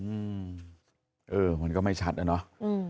อืมเออมันก็ไม่ชัดนะ